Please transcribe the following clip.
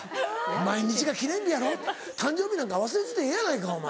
毎日が記念日やろ誕生日なんか忘れててええやないかお前。